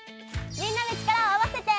みんなで力を合わせて！